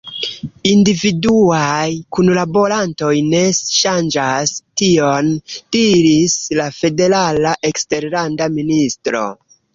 Individuaj kunlaborantoj ne ŝanĝas tion," diris la Federala Eksterlanda Ministro.